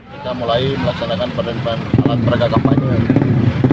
kita mulai melaksanakan penertipan alat peragak kampanye